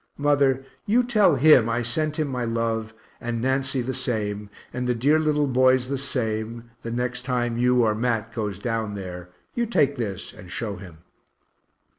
Mother, you tell him I sent him my love, and Nancy the same, and the dear little boys the same the next time you or Mat goes down there you take this and show him.